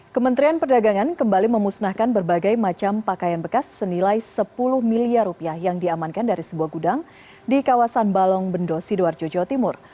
kementerian perdagangan kembali memusnahkan berbagai macam pakaian bekas senilai sepuluh miliar rupiah yang diamankan dari sebuah gudang di kawasan balong bendo sidoarjo jawa timur